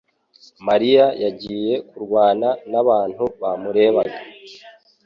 mariya yagiye kurwana nabantu bamurebaga